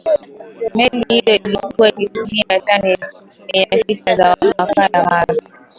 meli hiyo ilikuwa ikitumia tani mia sita za makaa ya mawe